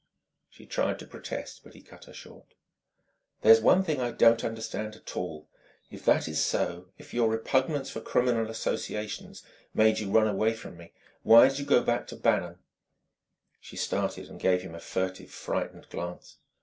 She tried to protest, but he cut her short. "There's one thing I don't understand at all! If that is so, if your repugnance for criminal associations made you run away from me why did you go back to Bannon?" She started and gave him a furtive, frightened glance.